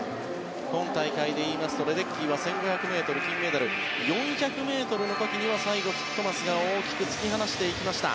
今大会でいいますとレデッキーは１５００ｍ金メダル４００ｍの時には最後、ティットマスが大きく突き放していきました。